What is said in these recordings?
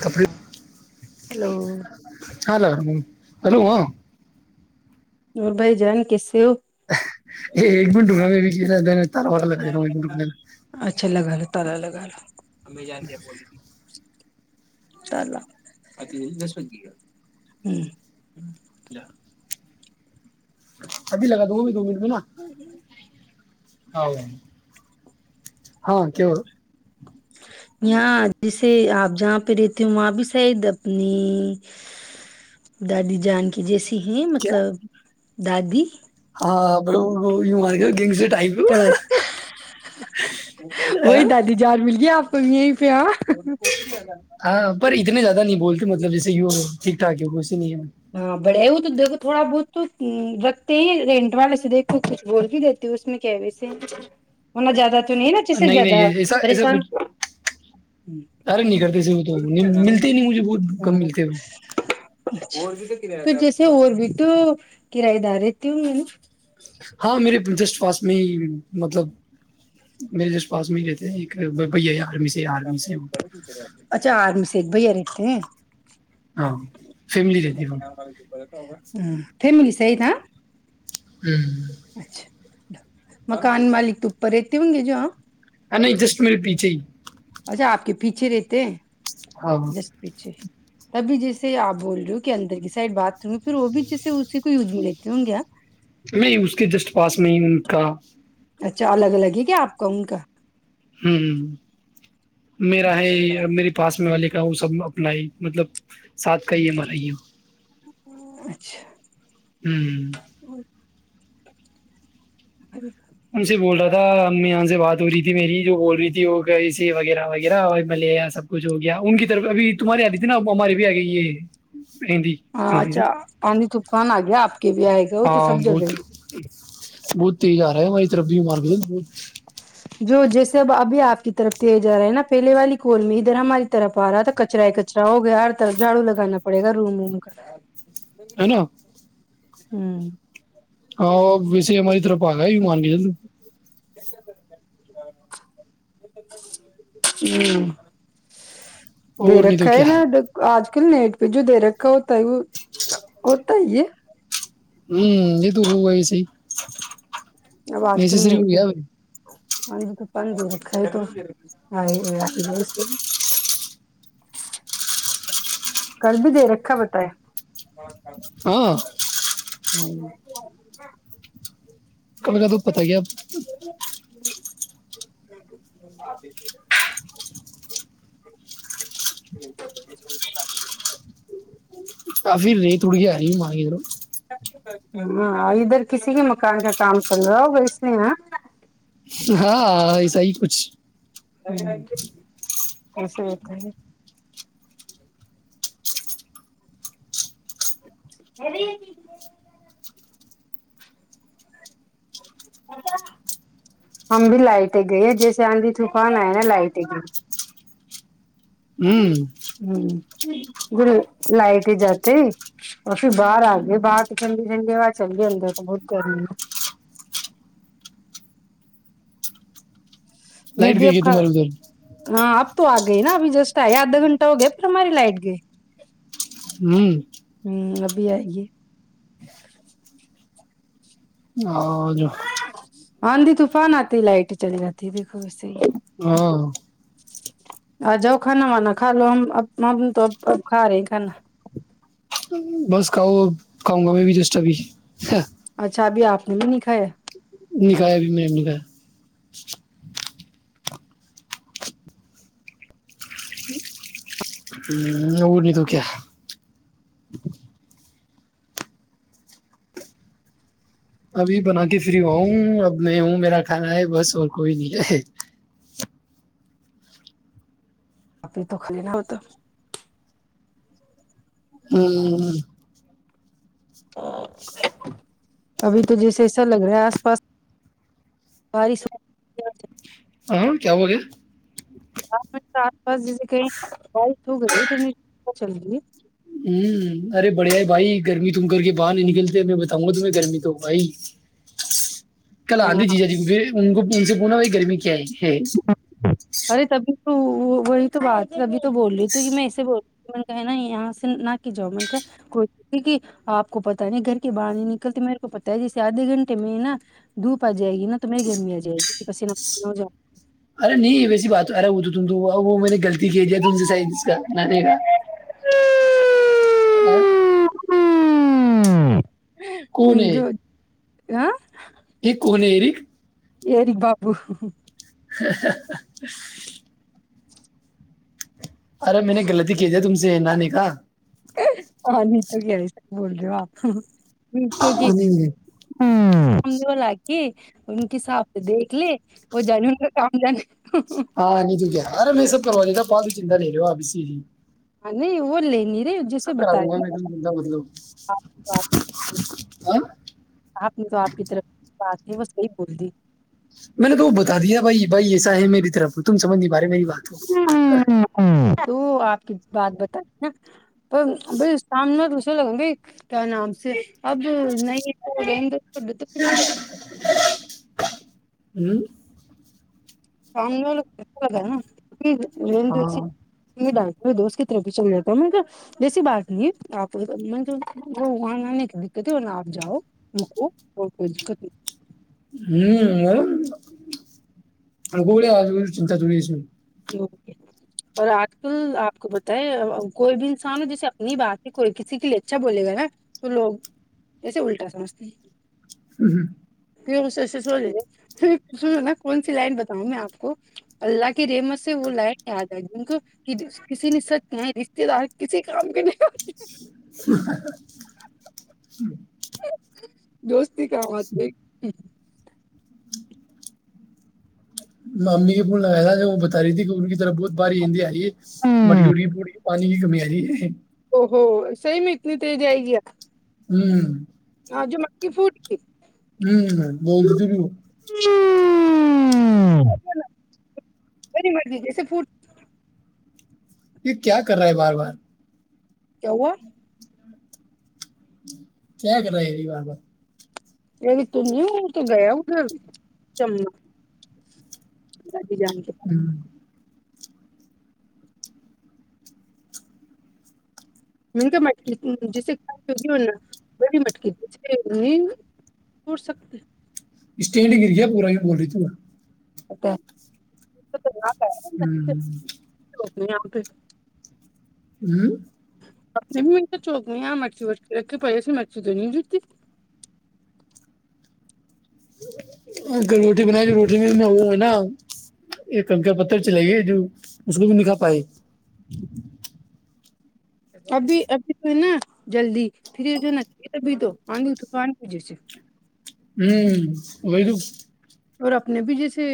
کپرت hello hello ہاں اور بھائی جان کس سے ہو ایک بھین ڈکنا میں تارا والا لگا ہممی جان گیا بلی چلس گ ابھی لگا د بھی دو م ہی ہاں کیوول یہاں جیسے آپ جہاں پہ رہتے ہو وہاں بھی شاید اپنی دادی جان کی جیسی ہیں کیا مطلب دادی ہاں بر ب مار کیا گگ سے ٹائپ وہی دادی جان مل گئی آپ توئی ہی پیا ہاں پر اتنے زیادہ نہیں بولتے مطلب جیے یہ ٹھیک ٹھ ہے وہ ہاں بڑے وہ تو دے کو تھوڑا بہت تو رکھتے ہی رینٹ والے سے دیکھو کچھ بول بھی دیتے ہو اس میں کیا ویسے ہونا زیادہ س نا چیسے نہیں زیادہ نہیں ایسا ایسا پریشان کچھ ارے نہیں کرتے سے وہ تو ملتے نہیں مجھے بہت کم ملتے ہو پھر جیسے اور بھی تو کرایہ دار رہتے ہوں گے نا ہاں میرے جسٹ پاس میں ہی مطلب میرے جسٹ پاس میں ہی رہتے ہیں ایک بھیا آرمی سے آرمی سے اچھا آرمی سے تی [inaudible] ہاں فیملی رہتی ہو [unintelligible] تھ ملیسئی تھا ہوں اچھا مکان مالک تو اوپر رہتے ہوں گے جو ہاں ا نہیں جسٹ میرے پیچھے ہی اچھا آپ کے پیچھے رہتے ہیں ہاں جس پیچھے تبھی جیسے آپ بول رہے ہو کہ اندر کی سائڈ بات پھرر وہ بھی جیسے اس کوئییز ملےتی ہوں گیا میں اس کے جسٹ پاس میں ہی ان کا اچھا الگ الگ ہی کیا آپ کا ان کا ہوں میرا ہے میری پاس میں وال کیا وہ سب اپنا ہی مطلب ساتھ کا ہی ہمارا یہ اچھا ہوں ہ ا [inaudible] ان سے بول رہا تھا یہاں سے بات ہو رہی تھی میری جو بول رہی تھی وہ سے وغیرہ وغیرہ اور ملےیا سب کچھ ہو گیا ان کی اھر ابھی تمہاری آتی تھی نا ہماری بھی آ گئی یہندی ہاں ہماری سر اچھا آندھی طوفان آ گیا آپ کے بھی آئے گا وہ تو ہاں سب بہت جگہ بہت تیز آ رہا ہے وہ ت ربی مار گئے [unintelligible] جو جیسے اب ابھی آپ کی طرف تے جا رہا ہے نا پہلے والی کول میں ادھر ہماری طرف آ رہا ہے تو کچرا کچرا ہو گیا ہر طرف جھاڑو لگانا پڑے گا روم کا ہے نا ہوں ہاں وسے ہماری طرف پا گا مانی ج [unintelligible] ہوں دے اور نہیں تو رکھا ہے کیا نا آج ل نیٹ پہ جو د ر کا ہوتا ہے وہ ہوتا ہی یہ ہ یہد ہو سی نسسری ہوئی ہے بھائی ہاں جی تو پان جی رکھا ہے تو [inaudible] کل بھی دے رکھا بتائے [inaudible] ہاں کبھی کا تو پتا کیا [inaudible] [inaudible] ہاں ادھر کسی کے مکان کا کام چل رہا ہو وسنے ہاںسح ہی کچھ ایسے ہوتے ہیں [inaudible] ہم بھی لائٹیں گئے ہیں جیسے آندھی طوفان آئے نا لائٹیں گئی ہوں ہوں ج لائٹ ہی جاتے اور پھر باہر آ گئے باہر تو ٹنڈے ٹنڈے ب چل گئے اندر تو بہت گرمی ہے میں لائٹ بھی گئی ہے اب تمہارے ادھر ہاں اب تو آگیا گئی نا ابھی جسٹ آئیدا گھنٹہ ہو گیا پھر ہماری لائٹ گئی ہوں [inaudible] اور جو آاںی طوفان آ تھی لائٹ چلی جاتتی دیکھو وسے ہی ہاں آ جاؤ کھانا وانا کھا لو ہمب ہم تو ا کھا رہے ہیں کھانا بس کاؤ گاؤں گا میں بھی جسٹ اب اچھا ابھی آپ نے بھی نہیںکھا ہے نکایا بھی نہیں نکایا ہ ا نہیں تو کیا ابھی بنا کے فری ہوا ہوں اب میں ہوں میرا کھانا ہے بس اور کوئی نہیں ہے آپ ہی تو خالی نہ ہوتا ہوں ابھی تو جیسے ایسا لگ رہا ہے آس پاس بارش ہاں کیا ہو گیا م آس پاس جیسے کہیں بارش ہو گئی پ چل گی ہے ہوں ارے بڑے ہے بھائی گرمی تم کر کے باہر نہیں نکلتے میں بتاؤں گا تمہیں گرمی تو بھائی کل ہے آندھی جی جا ہاں جی ان کو ان سے ہونا وہی گرمی کیا ہے ہے او وہی تو بات ابھی تو بول رہی تھی میں اسے بول رہی ہوں میں نے کہا نا یہاں سے نہ کہ جاب منٹ کا کوئی اپ کو پتہ نہیں گھر کے باہر نہیں نکلتی میرے کو پتہ ہے جیسے ادھے گھنٹے میں نا دھوپ ا جائے گی نا تو میں گرمی ا جائے گی میں پسینہ پسینہ ہو جاؤ گی ارے نہیں ویسی بات ارا وہ تو تم تو ا وہ میں نے غلطی کہ دیا تم سے سا اس کا نہ دیکھا ہاں ہو کون ہے جو ہاں کون ہے رے ایری بابو حا حا حا ارے میں نے غلطی کی نا تم سے جی نانی کا ہاں نہیں تو کیسے بول رہے ہو آپ کیونکہ نہیں نہیں ہم نے بولا کہ ان کے حساب سے دیکھ لیں وہ جانے ان کا کام جانے ہاں نیچے گیا ارے میں یہ سب کروا لیتا بعد میں چنتا مت کرو اپ اس کی ہم نے وہ لے لیا سب کرا دوں گا میں چنتا مت کرو آپ نے تو آپ ہاں آپ نے تو آپ کی طرف بات نہیں بس یہی بولتی میں نے تو وہ بتا دیا بھائی بھائی ایسا ہے میری طرف تم سمجھ نہیں پا رہے میری بات تو آپ کی بات بتائی نا ب سامنے دوسے لگوں گ بائی کیا نام سے اب نہیں [unintelligible] ہوں کنلول پورا گھر ہے نا ہاں [unintelligible] کوئی دوست کی طرف بھی چل جاتا ہے مگر ایسی بات نہیں ہے آپ وہاں آنے کی دقت ہے نہ آپ جاؤ رکو اور کوئی دقت نہیں ہو بوڑھے ادمی سے تجویز و اور آج کل آپ کو بتائے کوئی بھی انسان جیسے اپنی بات ہے کوئی کسی کے لیے اچھا بولے گا نا تو لوگ جسے الٹا سمجھتے ہیں ہو ہو سی سی سو رہ سو نا کون سی لائن بتاؤ میں آپ کو اللہ کی کی رحمت سے وہ لائن یاد ہے جن کو کسی نے سچ کہاں ہے رشتے دار کسی کام کے نہیں ہوتے ش [inaudible] دوست ہے کام اتے ہیں مامی نے بلایا ہے وہ بتا رہی تھی کہ ان کی طرف بہت باری ہندی ائی ہےمٹیڑی پوڑی جیکمی جی او ہو سیم اتنی تج ہے گیا ہوں ہ جو م کی فوڈ کی ہوں بولتی ت بھی مری مرضی جیسے پٹ یہ کیا کر رہا ہے بار بار کہا کیا کر رہای ب ا ت نہیں تو گیا ا گ جمنا ی جان کے ہوں منگا مٹکی جیسے کھی ہوگی نا بڑی مٹکی جے ن توڑ سکتے [unintelligible] اسٹینڈنگ ارییا پورا ہی بول رہی تا [unintelligible] ا [inaudible] ہوں [unintelligible] ک نہیں یہاں پہ [unintelligible] ہوں [unintelligible] اپ نے بھی م تو چوک نہیں آ مرچی ر کے پائی ا مرچی تو نہیں جتی [unintelligible] روٹی بنائی تو روٹی میں وہ ہے نا ایک کنکا پتھر چلائیے جو اس کو بھی نہیں کا پائے [unintelligible] ابھی ابھی تو ہے نا جلدی پھر جو ہے نا ابھی تو آئ گے طفان کے جی سے [unintelligible] ہوں وہ تو اور اپنے بھی جیسے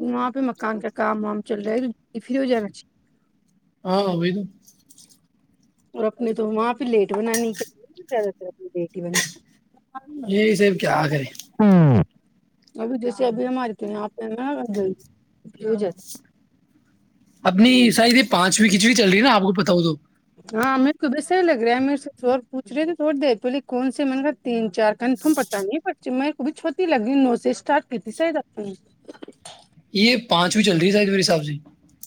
وہاں پہ مکان کا کام وام چل رہا ہے تو پھر ہو جانا چاہیے ہاں ب تو [unintelligible] اور اپنے تو وہاں پہ لیٹ بنانی ہی چاہیے زیادہ تر لیٹ ہی بن [unintelligible] یہی صب کیا کرے [unintelligible] ابھی جیسے ابھی ہماری تو آپ ج اپنی شاید یہ پانچویں کھچوی چل رہی نا آپ کو پتاؤ ہو تو ہاں میرے کو بھی صح لگ رہا ہے میرے سے اور پوچ رہے تھ تھوڑ دیر پہلے کون سے میں نے کا تین چار کنفرم پتا نہیں م کوب چھوتی لگ رہی نو سے اسٹارٹ کی تھی شاید آ نے یہ پانچویں چل رہی ہے شاید میرے حساب سے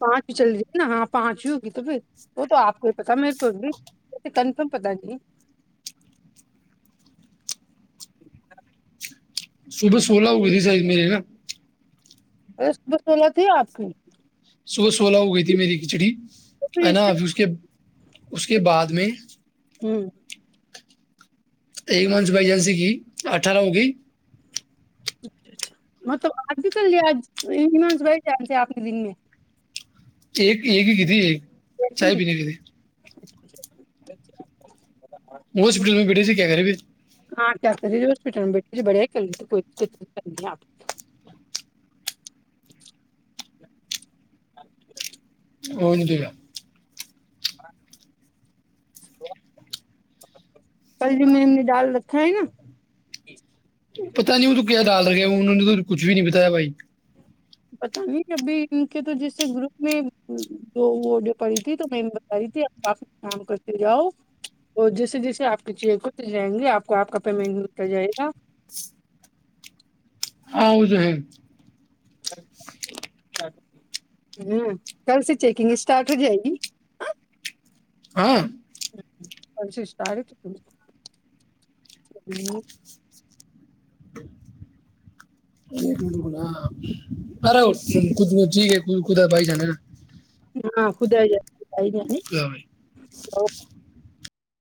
پانچ چل جی نا ہاں پانچ ہی ہوگی تو پھر وہ تو آپ کو ہی پتا میرے کو بھی کنفرم پتا نہیں صبح سولہ ہو گئے تھی شاید میرے نا اس ب سولت ہی آپ کی [unintelligible] صبح سولہ ہو گئی تھی میری کھچڑی تو پھر ہے نا ابھر اس کے اس کے بعد میں ہوں ایک منسبائیجنسی کی اٹھارہ ہو گئی اچچھا م تو آج بھی کل یہج بائی چانس ہے آپ کے دن میں [unintelligible] ایک ایک ہی ک تھی ایک چائے پین بھیے اچ [inaudible] وہ ہاسپٹل میں بیٹھے تھے کیا کرے پھر ہاں کیاتے ہسپٹل میں بیٹھے بڑےپ [unintelligible] ا ند [inaudible] کل جی میں نے ڈال رکھا ہے نا پتتا نہیں ہ تو کیا ڈال گ انوں نے تو کچھ بھی نہیں بتایا بھائی پت نہیں ابھی ان کے تو جیسے گروپ میں دوڈر پڑی تھی تو میں بتا رہی تھیپ کام کرتے جاؤ اور جیسے جیسے آپ کے چ کل جائیں گے آپ کو آپ کا پیمنٹ ملتا جائے گا آؤ جو ہے [unintelligible] اچھا اچ [inaudible] ہ کل سے چیکنگ اسٹارٹ ہو جائے گی ہاں پ سسٹاری [unintelligible] [inaudible] ارے ک جی کے کد بائی جان نا ہاں خد ہے جائے [unintelligible] ا جانی خدا بھائی [unintelligible] تو [unintelligible]